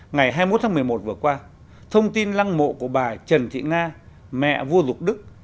ngày hai mươi một tháng một mươi một vừa qua thông tin lăng mộ của bà trần thị nga mẹ vua dục đức